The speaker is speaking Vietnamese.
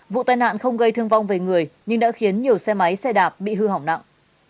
vụ tai nạn không gây thương vong về người nhưng đã khiến nhiều xe máy xe đạp bị hư hỏng nặng